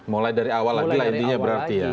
mulai dari awal lagi intinya berarti ya